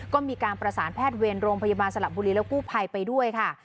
ก็มีการประสานแพทย์เวรโรงพยาบาลสละบุรีและกู้ภัยไปด้วยค่ะ